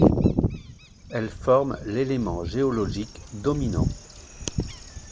Elles forment l'élément géologique dominant.